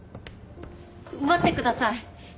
待ってください。